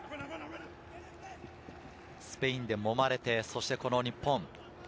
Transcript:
スペインで揉まれて、そしてこの日本。